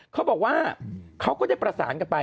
เขาบอกว่าเขาก็ได้ประสานกันไป